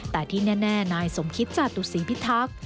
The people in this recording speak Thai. แต่ที่แน่นายสมคิตจาตุศีพิทักษ์